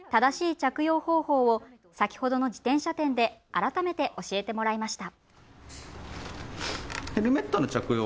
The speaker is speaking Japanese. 正しい着用方法を先ほどの自転車店で改めて教えてもらいました。